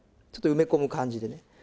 ちょっと埋め込む感じでね。